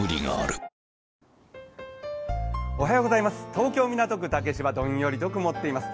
東京・港区竹芝、どんよりと曇っています。